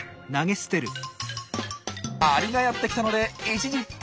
アリがやって来たので一時退却。